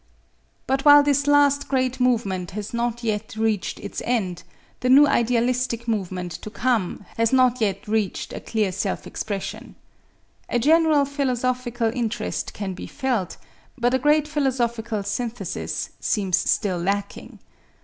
But while this last great movement has not yet reached its end, the new idealistic movement to come has not yet reached a clear self expression. A general philosophical interest can be felt, but a great philosophical synthesis seems still lacking.